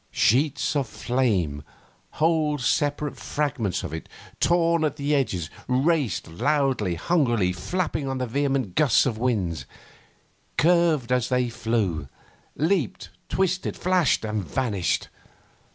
Sheets of flame, whole separate fragments of it, torn at the edges, raced, loudly, hungrily flapping on vehement gusts of wind; curved as they flew; leaped, twisted, flashed and vanished.